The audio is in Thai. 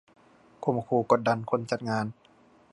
ข่มขู่กดดันคนจัดงาน